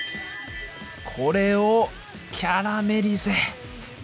これをキャラメリゼ！